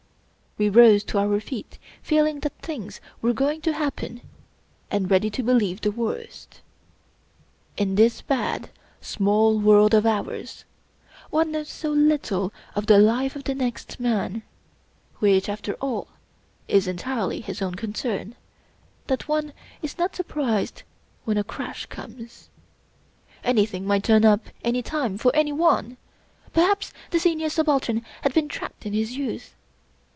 We rose to our feet, feeling that things were going to happen and ready to believe the worst. In this 38 Rudyard Kipling bad, small world of ours, one knows so little of the life of the next man — ^which, after all, is entirely his own concern — ^that one is not surprised when a crash comes. Anything might turn up any day for anyone. Perhaps the Senior Subaltern had been trapped in his youth.